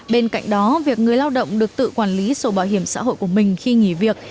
bên cạnh đó việc người lao động được tự quản lý sổ bảo hiểm xã hội của mình khi nghỉ việc